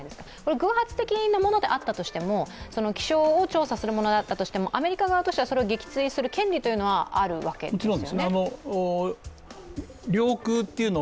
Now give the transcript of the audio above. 偶発的なものであったとしても、気象を調査するものだったとしても、アメリカ側としてはそれを撃墜する権利というのはあるわけですよね？